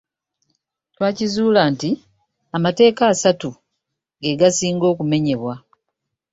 Twakizuula nti amateeka asatu ge gasinga okumenyebwa.